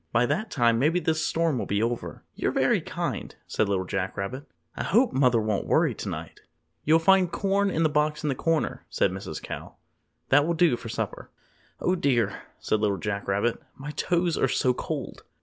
By that time maybe the storm will be over." "You're very kind," said Little Jack Rabbit. "I hope mother won't worry tonight." "You'll find corn in the box in the corner," said Mrs. Cow. "That will do for supper." "Oh, dear," said Little Jack Rabbit, "my toes are so cold."